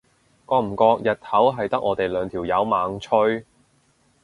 覺唔覺日頭係得我哋兩條友猛吹？